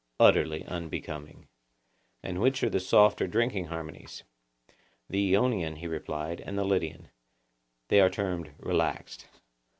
Utterly unbecoming. And which are the soft or drinking harmonies? The Ionian, he replied, and the Lydian; they are termed 'relaxed.